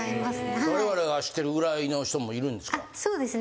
我々が知ってるぐらいの人もいるんですか？